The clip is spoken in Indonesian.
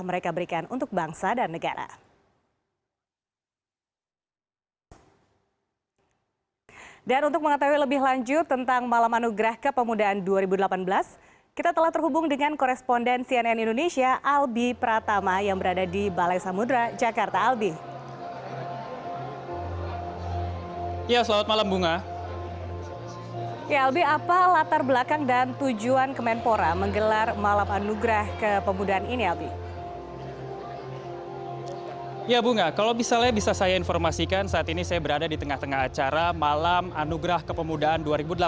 ya bunga kalau misalnya bisa saya informasikan saat ini saya berada di tengah tengah acara malam anugerah kepemudaan dua ribu delapan belas